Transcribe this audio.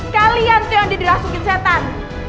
kalian tuh yang diderasukin setan